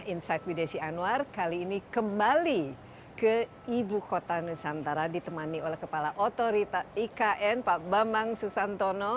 insight with desi anwar kali ini kembali ke ibu kota nusantara ditemani oleh kepala otorita ikn pak bambang susantono